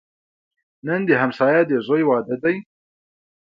نن د همسایه د زوی واده دی